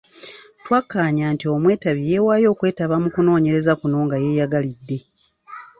Twakkaanya nti omwetabi yeewaayo okwetaba mu kunoonyereza kuno nga yeeyagalidde.